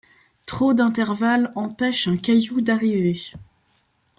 Trop d'intervalle empêche un caillou d'arriver ;